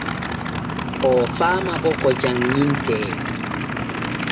Oo faama bo ko janŋintee.